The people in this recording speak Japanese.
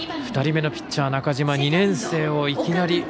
２人目のピッチャー、中嶋２年生をいきなり。